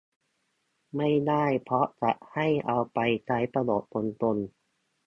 ไม่ได้เพราะจะให้เอาไปใช้ประโยชน์ตรงตรง